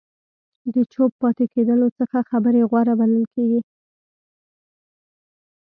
د چوپ پاتې کېدلو څخه خبرې غوره بلل کېږي.